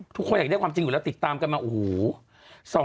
ทุกคนอยากได้ความจริงอยู่แล้วติดตามกันมาโอ้โห